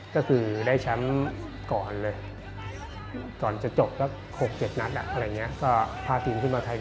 ก็คือได้ชั้นก่อนเลยก่อนจะจบก็๖๗นัท